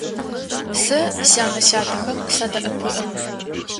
Сэ сянэ-сятэхэм садэӀэпыӀэ.